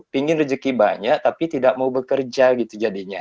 pingin rezeki banyak tapi tidak mau bekerja gitu jadinya